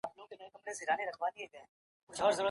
ایا تاسو خپل زکات ورکړی دی؟